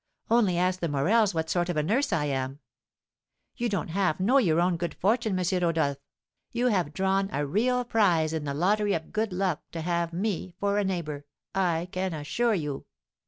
Only ask the Morels what sort of a nurse I am. You don't half know your own good fortune, M. Rodolph; you have drawn a real prize in the lottery of good luck to have me for a neighbour, I can assure you."